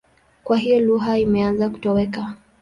Kwa hiyo lugha imeanza kutoweka.